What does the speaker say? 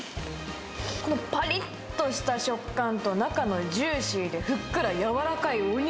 このぱりっとした食感と、中のジューシーでふっくら、柔らかいお肉。